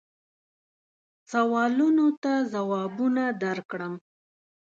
سوالونو ته جوابونه درکړم.